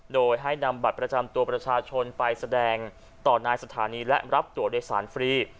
โดยให้นำบัตรประจำตัวประชาชนไปแสดงต่อนายสถานีและรับตัวโดยสารฟรี